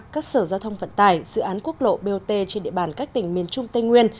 các sở giao thông vận tải dự án quốc lộ bot trên địa bàn các tỉnh miền trung tây nguyên